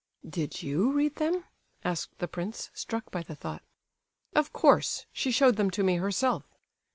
"Did you read them?" asked the prince, struck by the thought. "Of course—she showed them to me herself.